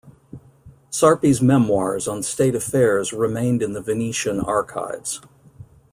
Sarpi's memoirs on state affairs remained in the Venetian archives.